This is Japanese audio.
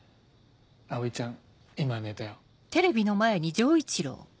葵ちゃん今寝たよ。